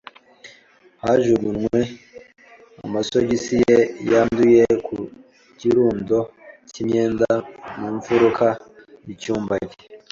yajugunye amasogisi ye yanduye ku kirundo cy'imyenda mu mfuruka y'icyumba cye.